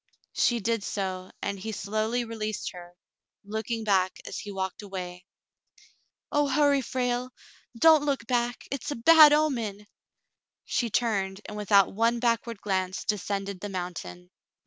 She did so, and he slowly released her, looking back as he walked away. "Oh, hurry, Frale ! Don't look back. It's a bad omen." She turned, and without one backward glance descended the mountain.